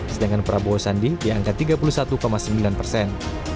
sedangkan prabowo sandi di angka tiga puluh satu sembilan persen